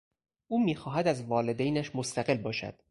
او میخواهد از والدینش مستقل باشد.